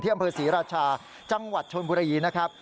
อำเภอศรีราชาจังหวัดชนบุรีนะครับ